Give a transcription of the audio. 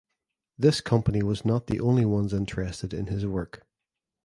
This company was not the only ones interested in his work.